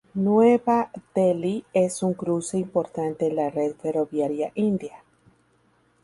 Nueva Delhi es un cruce importante en la red ferroviaria india.